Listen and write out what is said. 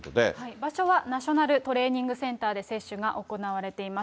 場所はナショナルトレーニングセンターで接種が行われています。